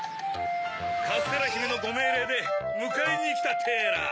カステラひめのごめいれいでむかえにきたテラ。